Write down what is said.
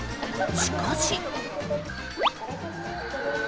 しかし。